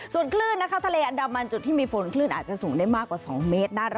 ส่วนคลื่นนะคะทะเลอันดามันจุดที่มีฝนคลื่นอาจจะสูงได้มากกว่า๒เมตร